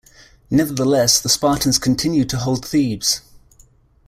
Nevertheless, the Spartans continued to hold Thebes.